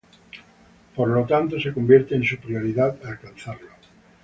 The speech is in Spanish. Por lo tanto, se convierte en su prioridad alcanzarlo.